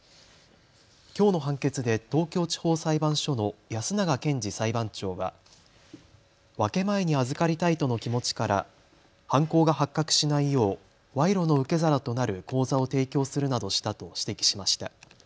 きょうの判決で東京地方裁判所の安永健次裁判長は分け前にあずかりたいとの気持ちから犯行が発覚しないよう賄賂の受け皿となる口座を提供するなどしたと指摘しました。